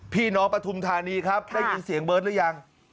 พี่น้องปฐุมธานีครับได้ยินเสียงเบิร์ตหรือยัง